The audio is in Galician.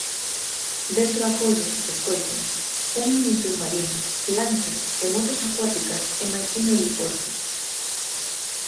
Dentro acolle, escoiten, un minisubmarino, lanchas e motos acuáticas e máis un heliporto.